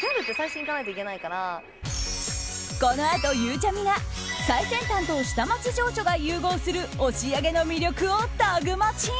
このあと、ゆうちゃみが最先端と下町情緒が融合する押上の魅力をタグマチ！